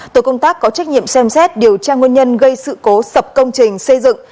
tổ công tác có trách nhiệm xem xét điều tra nguyên nhân gây sự cố sập công trình xây dựng